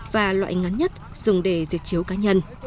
và loại ngắn nhất dùng để diệt chiếu cá nhân